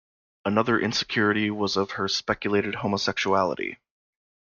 Another insecurity was of her speculated homosexuality.